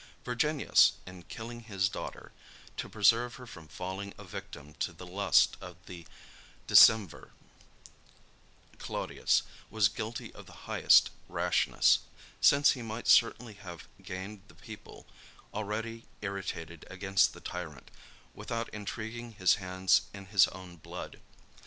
Virginius, in killing his daughter, to preserve her from falling a victim to the lust of the decemvir Claudius, was guilty of the highest rashness; since he might certainly have gained the people, already irritated against the tyrant, without imbruing his hands in his own blood.